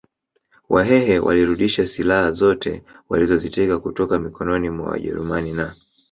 Wahehe walirudisha silaha zote walizoziteka kutoka mikononi mwa wajerumani na